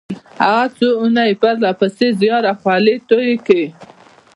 هغه څو اونۍ پرله پسې زيار او خولې تويې کړې.